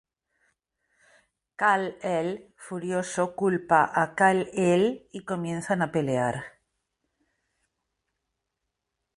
Kal-L, furioso, culpa a Kal-El y comienzan a pelear.